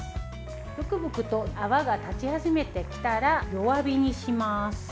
ぶくぶくと泡が立ち始めてきたら弱火にします。